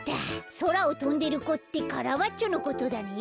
そらをとんでる子ってカラバッチョのことだね。